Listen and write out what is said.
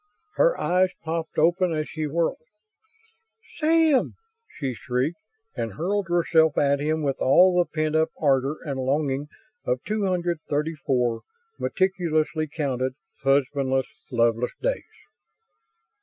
Her eyes popped open as she whirled. "SAM!" she shrieked, and hurled herself at him with all the pent up ardor and longing of two hundred thirty four meticulously counted, husbandless, loveless days.